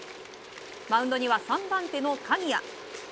マウンドには３番手の鍵谷。